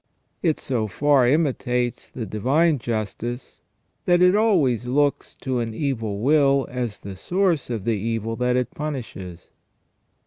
It so far imitates the divine justice that it always looks to an evil will as the source of the evil that it punishes.